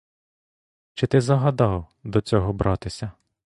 Чи ти загадав до цього братися?